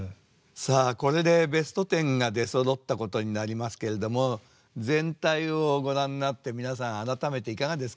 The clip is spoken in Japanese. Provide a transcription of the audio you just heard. さあこれでベスト１０が出そろったことになりますけれども全体をご覧になって皆さん改めていかがですか？